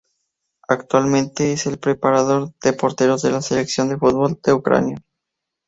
Actualmente es el preparador de porteros de la selección de fútbol de Ucrania.